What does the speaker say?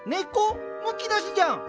むき出しじゃん。